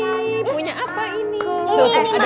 ada mama tuh